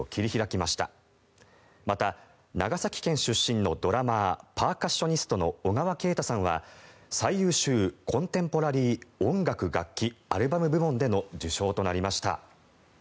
また、長崎県出身のドラマーパーカッショニストの小川慶太さん最優秀コンテンポラリー音楽楽器アルバム部門での受賞となりました。